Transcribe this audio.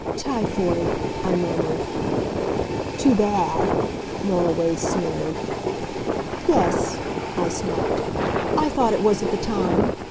"Typhoid," I murmured. "Too bad!" Moriway sneered. "Yes," I snapped. "I thought it was at the time.